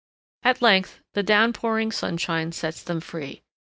At length the down pouring sunshine sets them free.